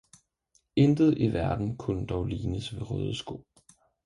Intet i verden kunne dog lignes ved røde sko!